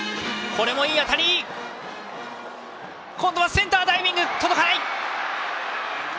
センターダイビング届かない。